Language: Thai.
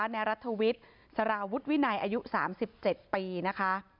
ในรัฐวิทย์สารวุฒิวินัยอายุ๓๗ปีนะคะ